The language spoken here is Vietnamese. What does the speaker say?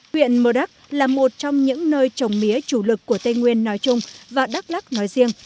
huyện mờ đắc là một trong những nơi trồng mía chủ lực của tây nguyên nói chung và đắk lắc nói riêng